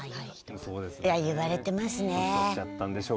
言われてますね。